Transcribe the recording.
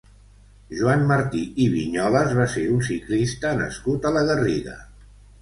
Joan Martí i Viñolas va ser un ciclista nascut a la Garriga.